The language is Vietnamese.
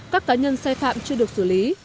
các cá nhân sai phạm chưa được xử lý